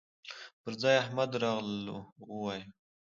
پر ځاى احمد راغلهووايو